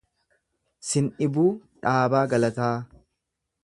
Sindhibuu Dhaabaa Galataa